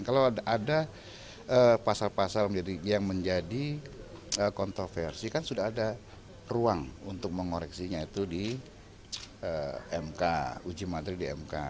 kalau ada pasal pasal yang menjadi kontroversi kan sudah ada ruang untuk mengoreksinya itu di mk uji materi di mk